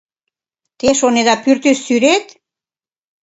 Те шонеда пӱртӱс сӱрет?